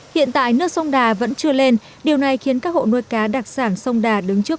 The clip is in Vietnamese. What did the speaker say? hiện tại nước sông đà vẫn chưa lên điều này khiến các hộ nuôi cá đặc sản sông đà đứng trước